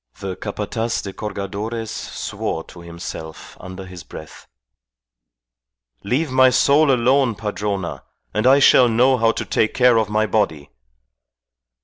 The Capataz de Cargadores swore to himself under his breath. "Leave my soul alone, Padrona, and I shall know how to take care of my body.